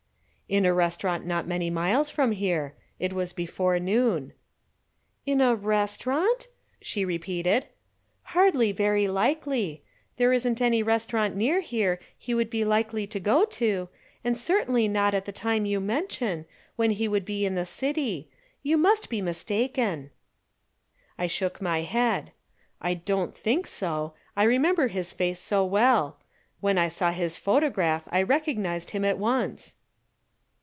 "In a restaurant not many miles from here. It was before noon." "In a restaurant?" she repeated. "Hardly very likely. There isn't any restaurant near here he would be likely to go to, and certainly not at the time you mention, when he would be in the city. You must be mistaken." I shook my head. "I don't think so. I remember his face so well. When I saw his photograph I recognized him at once."